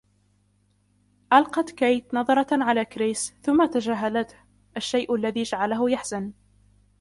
ألقت كايت نظرة على كريس ثم تجاهلته، الشيء الذي جعله يحزن.